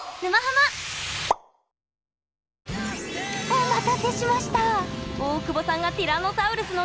お待たせしました！